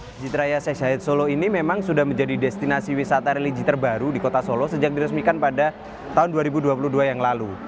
masjid raya sheikh syahid solo ini memang sudah menjadi destinasi wisata religi terbaru di kota solo sejak diresmikan pada tahun dua ribu dua puluh dua yang lalu